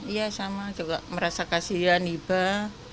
iya sama juga merasa kasihan ibah